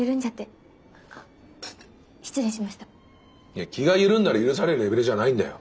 いや気が緩んだら許されるレベルじゃないんだよ。